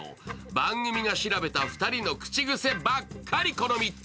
番組が調べた２人の口癖ばっかりこの３つ。